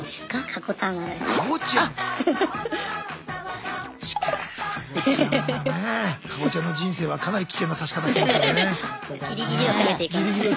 加護ちゃんの人生はかなり危険な指し方してますよね。